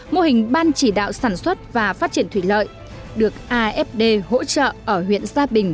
mô hình ban chỉ đạo sản xuất và phát triển thủy lợi được afd hỗ trợ ở huyện bắc giang hà tĩnh quảng nam